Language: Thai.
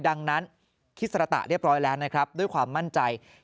ดังนั้นทฤษฎาลเรียบร้อยแล้วครับด้วยความมั่นใจ